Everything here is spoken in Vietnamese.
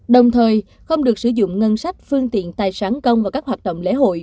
đồng thời không được sử dụng ngân sách phương tiện tài sản công và các hoạt động lễ hội